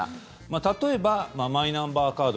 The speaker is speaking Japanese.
例えばマイナンバーカード